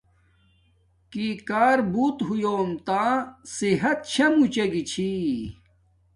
کی کار بوت ہویوم تا صحت شا موچے گی چھی